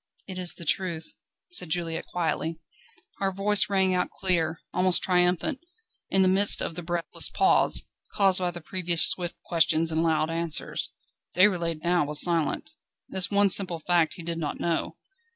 "It is the truth," said Juliette quietly. Her voice rang out clear, almost triumphant, in the midst of the breathless pause, caused by the previous swift questions and loud answers. Déroulède now was silent. This one simple fact he did not know.